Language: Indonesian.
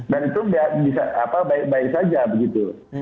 dan itu bisa baik baik saja begitu